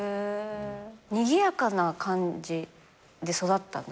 にぎやかな感じで育ったんですか？